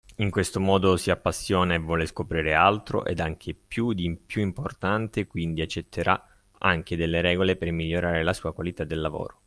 In questo modo si appassiona e vuole scoprire altro ed anche più di più importante quindi accetterà anche delle regole per migliorare la sua qualità del lavoro.